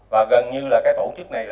và gần như là cái tổ chức này